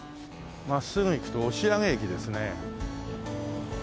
真っすぐ行くと押上駅ですね。